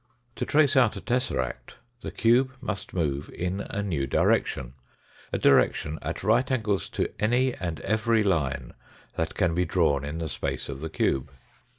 To trace out a tesseract the cube must move in a new direction a direction at right angles to any and every line that can be drawn in the space of the cube.